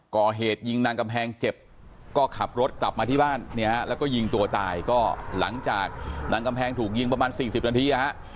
ก่อเหตุยิงนางกำแพงเจ็บก็ขับรถกลับมาที่บ้านเนี่ยฮะแล้วก็ยิงตัวตายก็หลังจากนางกำแพงถูกยิงประมาณ๔๐นาที